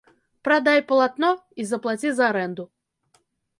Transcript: Прадай палатно і заплаці за арэнду.